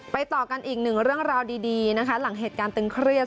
ต่อกันอีกหนึ่งเรื่องราวดีนะคะหลังเหตุการณ์ตึงเครียด